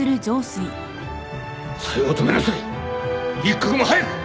小夜を止めなさい一刻も早く！